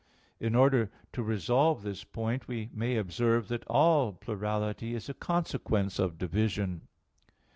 In order to resolve this point, we may observe that all plurality is a consequence of division.